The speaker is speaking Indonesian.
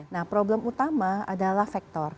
nah problem utama adalah faktor